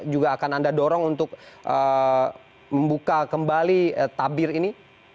juga akan anda dorong untuk membuka kembali tabir ini